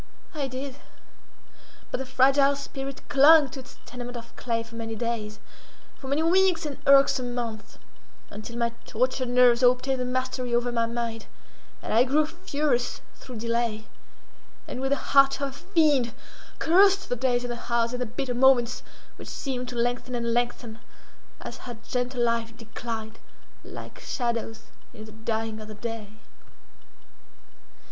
I did; but the fragile spirit clung to its tenement of clay for many days—for many weeks and irksome months, until my tortured nerves obtained the mastery over my mind, and I grew furious through delay, and, with the heart of a fiend, cursed the days and the hours and the bitter moments, which seemed to lengthen and lengthen as her gentle life declined—like shadows in the dying of the day.